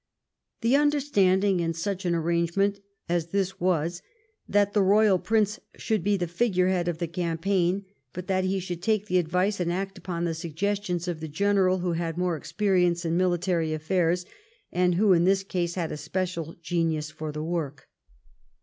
The understanding in such an arrangement as this was that the royal prince should be the figure head of the cam paign, but that he should take the advice and act upon the suggestions of the general who had more experience in military affairs, and who, in this case, had a special genius for the work.